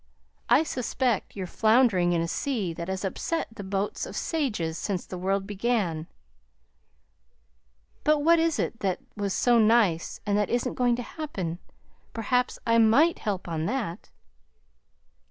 I suspect you're floundering in a sea that has upset the boats of sages since the world began. But what is it that was so nice, and that isn't going to happen? Perhaps I MIGHT help on that."